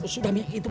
sudah itu mah